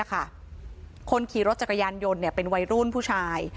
คนขี่รถจักรยานยนต์เป็นวัยรุ่นผู้ชาย